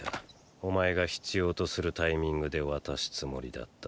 お前が必要とするタイミングで渡すつもりだった。